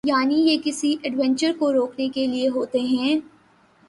یعنی یہ کسی ایڈونچر کو روکنے کے لئے ہوتے ہیں۔